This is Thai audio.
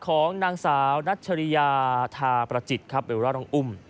ของนางสาวนัชริยาทาประจิตครับหรือว่าน้องอุ้ม